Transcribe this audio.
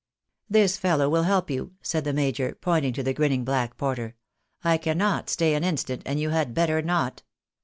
" This fellow will help you," said the major, pointing to the grinning black porter. "I cannot stay an instant, and you had better not.